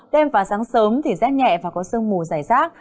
đêm và sáng sớm thì rét nhẹ và có sương mù dài rác